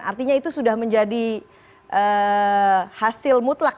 artinya itu sudah menjadi hasil mutlak